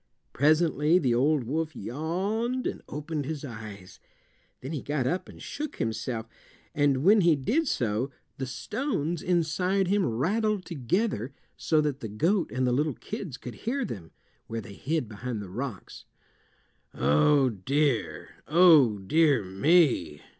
Presently the old wolf yawned and opened his eyes. Then he got up and shook himself, and when he did so the stones inside him rattled together so that the goat and the little kids could hear them, where they hid behind the rocks. "Oh, dear! Oh, dear me!"